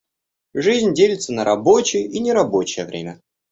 Жизнь делится на рабочее и нерабочее время.